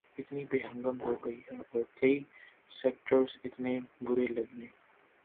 اتنی بے ہنگم ہو گئی ہے اور کئی سیکٹرز اتنے برے لگنے